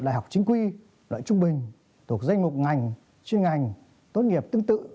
đại học chính quy đạt lợi trung bình thuộc danh mục ngành chuyên ngành tốt nghiệp tương tự